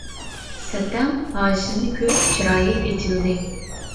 سەتەڭ ھاشىمنى كۆرۈپ چىرايى ئېچىلدى.